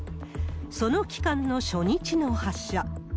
その期間の初日の発射。